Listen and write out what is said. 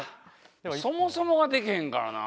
そもそもができへんからな。